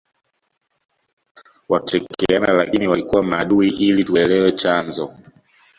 wakichekeana lakini walikuwa maadui ili tuelewe chanzo